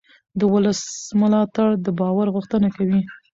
د ولس ملاتړ د باور غوښتنه کوي